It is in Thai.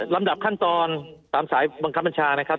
ลำดับขั้นตอน๓สายบังคับบัญชานะครับ